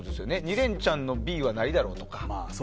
２連チャンのＢはないだろうとか。